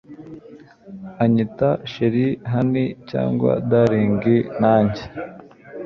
anyita chr honey cyangwa darling nanjye